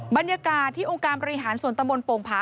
บรรยากาศที่องค์การบริหารส่วนตะมนต์โป่งผา